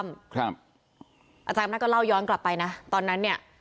อาจารย์อำนาจก็เล่าย้อนกลับไปนะตอนนั้นเนี่ย